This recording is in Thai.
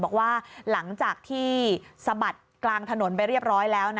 บอกว่าหลังจากที่สะบัดกลางถนนไปเรียบร้อยแล้ว